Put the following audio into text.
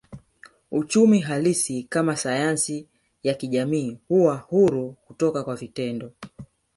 Uchumi halisi kama sayansi ya kijamii huwa huru kutoka kwa vitendo